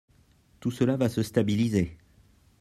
Tout cela va se stabiliser.